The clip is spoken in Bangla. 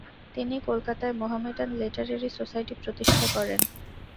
তিনি কলকাতায় মোহামেডান লিটারেরি সোসাইটি প্রতিষ্ঠা করেন।